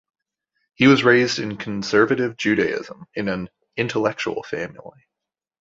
He was raised in Conservative Judaism, in an "intellectual family".